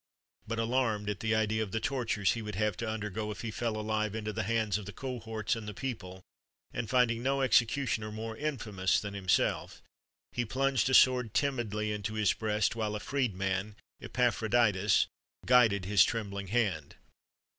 But, alarmed at the idea of the tortures he would have to undergo if he fell alive into the hands of the cohorts and the people, and finding no executioner more infamous than himself, he plunged a sword timidly into his breast, while a freed man, Epaphroditus, guided his trembling hand.